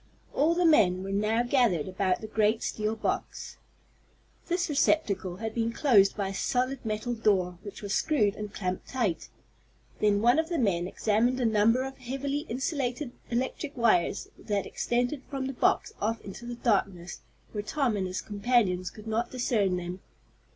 All the men were now gathered about the great steel box. This receptacle had been closed by a solid metal door, which was screwed and clamped tight. Then one of the men examined a number of heavily insulated electric wires that extended from the box off into the darkness where Tom and his companions could not discern them.